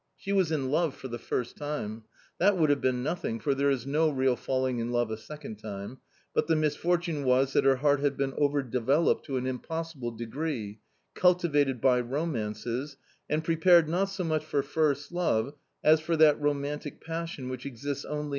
She was in love for the first time — that would have been nothing, for there is no real falling in love a second time— but the misfortune was that her heart had been over developed to an impossible degree, cultivated by romances, and prepared not so much for first love as for that romantic passion which exists only